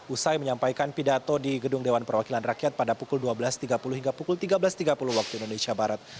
usai menyampaikan pidato di gedung dewan perwakilan rakyat pada pukul dua belas tiga puluh hingga pukul tiga belas tiga puluh waktu indonesia barat